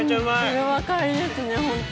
これは買いですねホント。